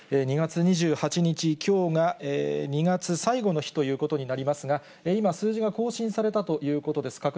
２月２８日、きょうが２月最後の日ということになりますが、今、数字が更新されたということです。